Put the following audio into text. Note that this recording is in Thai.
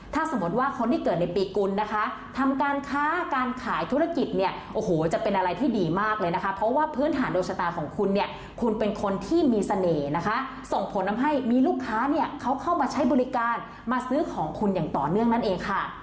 ถ้าสมมติว่าคนที่เกิดในปีกุลนะคะทำการค้าการขายธุรกิจเนี่ยโอ้โหจะเป็นอะไรที่ดีมากเลยนะคะเพราะว่าพื้นฐานดวงชะตาของคุณเนี่ยคุณเป็นคนที่มีเสน่ห์นะคะส่งผลทำให้มีลูกค้าเนี่ยเขาเข้ามาใช้บริการมาซื้อของคุณอย่างต่อเนื่องนั่นเองค่ะ